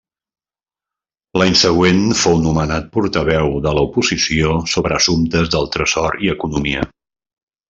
L'any següent fou nomenat portaveu de l'oposició sobre assumptes del tresor i economia.